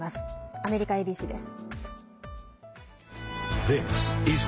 アメリカＡＢＣです。